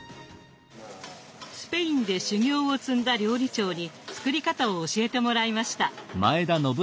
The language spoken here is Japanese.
スペインで修業を積んだ料理長に作り方を教えてもらいました。